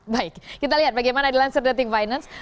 baik kita lihat bagaimana di lanser dating finance